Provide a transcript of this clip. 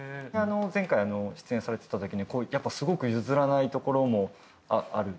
前回出演されていた時にやっぱすごく「譲らないところもある」